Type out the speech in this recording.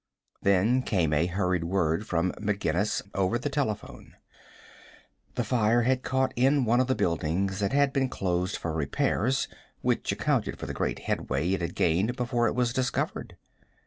Then came a hurried word from McGinnis over the telephone. The fire had caught in one of the buildings that had been closed for repairs, which accounted for the great headway it had gained before it was discovered.